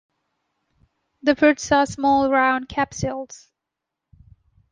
The fruits are small round capsules.